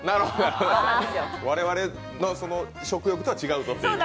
我々の食欲とは違うぞっていう。